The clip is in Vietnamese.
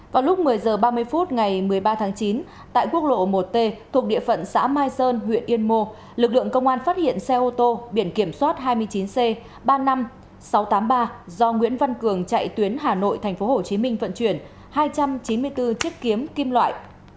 vào lúc một mươi h ba mươi phút ngày một mươi ba tháng chín tại quốc lộ một t thuộc địa phận xã mai sơn huyện yên mô lực lượng công an phát hiện xe ô tô biển kiểm soát hai mươi chín c ba mươi năm nghìn sáu trăm tám mươi ba do nguyễn văn cường chạy tuyến hà nội tp hcm vận chuyển hai trăm chín mươi bốn chiếc kiếm kim loại